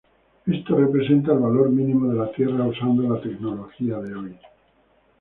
Esto representa el valor mínimo de la Tierra usando la tecnología de hoy.